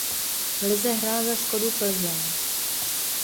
V lize hrál za Škodu Plzeň.